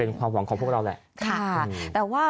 เป็นความหวังของพวกเราแหละ